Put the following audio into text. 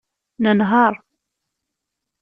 Nenheṛ.